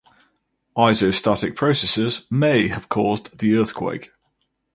Isostatic processes may have caused the earthquake.